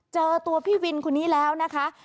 เจอตัวพี่วินคนนี้แล้วนะคะ